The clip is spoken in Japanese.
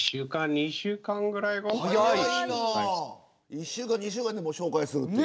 １週間２週間でもう紹介するという。